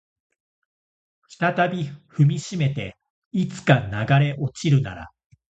再び踏みしめていつか流れ落ちるなら